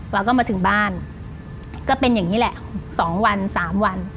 มาถึงบ้านก็เป็นอย่างนี้แหละ๒วัน๓วัน